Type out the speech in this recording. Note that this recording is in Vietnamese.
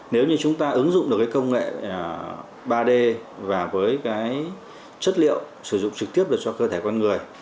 nếu như chúng ta ứng dụng được công nghệ ba d và với chất liệu sử dụng trực tiếp cho cơ thể con người